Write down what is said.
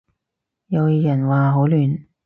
有人話好亂